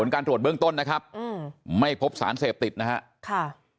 การตรวจเบื้องต้นนะครับอืมไม่พบสารเสพติดนะฮะค่ะ